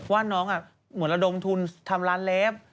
ว่าน้องเหมือนระดมทุนทำร้านเลฟ